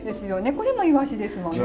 これもいわしですもんね。